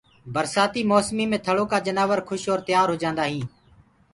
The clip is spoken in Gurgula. برسآتي موسمي مي ٿݪو جنآور کُش اور تيآ هوجآدآئين